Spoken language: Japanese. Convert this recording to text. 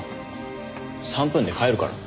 ３分で帰るからな。